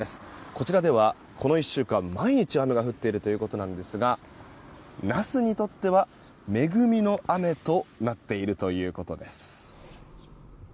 こちらではこの１週間毎日雨が降っているということなんですがナスにとっては恵みの雨となっているということです。